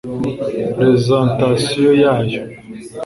Presentation yayo